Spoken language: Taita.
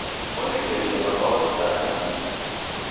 Onekeria w'ambao kisaya nandighi.